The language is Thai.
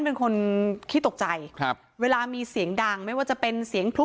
เป็นคนขี้ตกใจครับเวลามีเสียงดังไม่ว่าจะเป็นเสียงพลุ